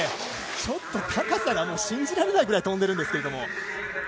高さが信じられないくらい飛んでいるんですけども。